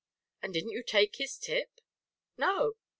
"And didn't you take his tip?" "No!"